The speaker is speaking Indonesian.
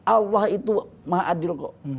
allah itu maha adil kok